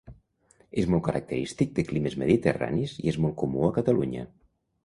És molt característic de climes mediterranis i és molt comú a Catalunya.